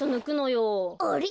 あれ？